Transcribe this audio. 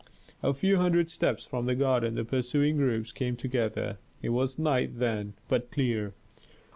A few hundred steps from the garden the pursuing groups came together. It was night then, but clear.